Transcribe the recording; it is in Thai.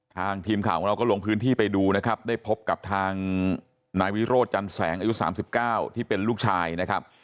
ทางทีมข่าวของเราก็ลงพื้นที่ไปดูนะครับได้พบกับทางนายวิโรธจันแสงอายุ๓๙ที่เป็นลูกชายนะครับ